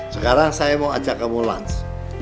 sekarang saya mau ajak kamu lans